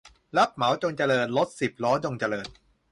รับเหมาจงเจริญ รถสิบล้อจงเจริญ